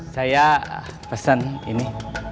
saya pesan ini